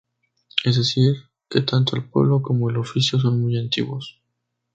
Es decir que tanto el pueblo como el oficio son muy antiguos.